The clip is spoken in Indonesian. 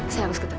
saya harus ketemu